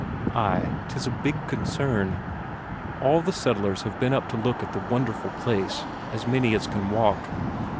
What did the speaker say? Ay, 'tis a big concern. All the settlers have been up to look at the wonderful place, as many as can walk.